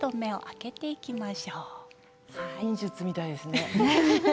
催眠術みたいですね。